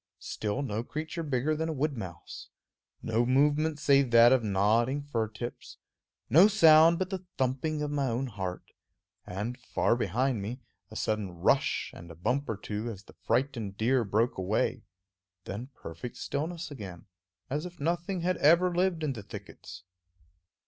Still no creature bigger than a wood mouse; no movement save that of nodding fir tips; no sound but the thumping of my own heart, and, far behind me, a sudden rush and a bump or two as the frightened deer broke away; then perfect stillness again, as if nothing had ever lived in the thickets.